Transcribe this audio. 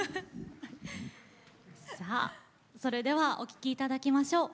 さあそれではお聴きいただきましょう。